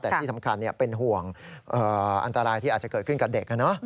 แต่ที่สำคัญเป็นห่วงอันตรายที่อาจจะเกิดขึ้นกับเด็ก